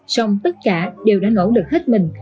song tất cả đều đã nỗ lực hết mình